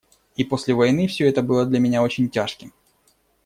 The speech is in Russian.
И после войны все это было для меня очень тяжким.